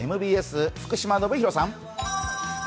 ＭＢＳ・福島暢啓さん。